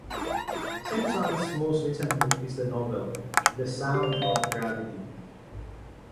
Simpson's most recent book is the novel "The Sound of Gravity".